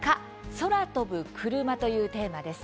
空飛ぶクルマ」というテーマです。